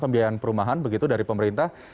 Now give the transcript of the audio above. pembiayaan perumahan begitu dari pemerintah